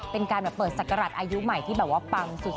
เป็นการแบบเปิดศักราชอายุใหม่ที่แบบว่าปังสุด